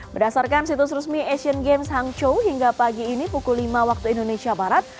berdasarkan situs resmi asian games hangzhou hingga pagi ini pukul lima waktu indonesia barat